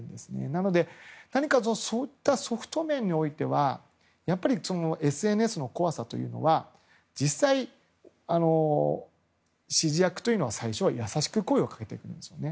なので、何かそういったソフト面においてはやっぱりＳＮＳの怖さというのは実際、指示役というのは最初は優しく声をかけていくんですね。